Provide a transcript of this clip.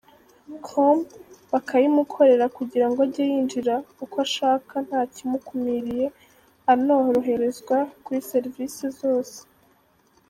com bakayimukorera kugirango ajye yinjira uko ashaka ntakimukumiriye, anoroherezwe kuri services zose.